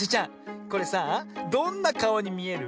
これさあどんなかおにみえる？